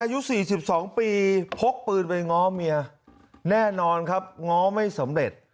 อายุ๔๒ปีพกปืนไปง้อเมียแน่นอนครับง้อไม่สำเร็จ